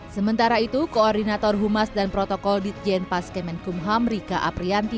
sementara itu koordinator humas dan protokol ditjen paskemenkum hamrika aprianti